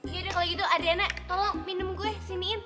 yaudah kalo gitu adriana tolong minum gue siniin